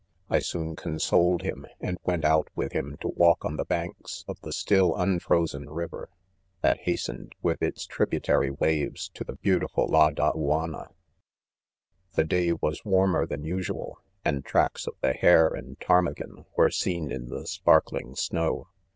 I soon consoled him and went out with him to walk on the banks of the s%ill un frozen river, that hastened with its tributary waves to the beautiful Ladatianna. !' The day was warmer than usual,: and tracks of the hare and ptarmigan were seen in the sparkling snow.